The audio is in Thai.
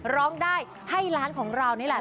ร้องได้ให้ล้านของเรานี่แหละ